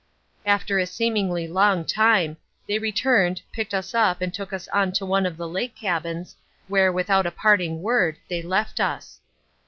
After a seemingly long time, they returned, picked us up and took us on to one of the lake cabins, where without a parting word, they left us.